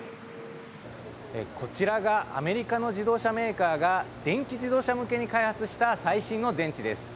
こちらがアメリカの自動車メーカーが電気自動車向けに開発した最新の電池です。